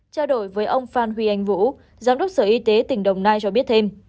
trao đổi với ông phan huy anh vũ giám đốc sở y tế tỉnh đồng nai cho biết thêm